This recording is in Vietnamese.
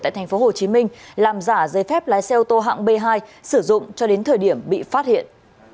tại tp hcm làm giả giấy phép lái xe ô tô hạng b hai sử dụng cho đến thời điểm bị phát hiện